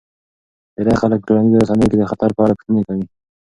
ډیری خلک په ټولنیزو رسنیو کې د خطر په اړه پوښتنې کوي.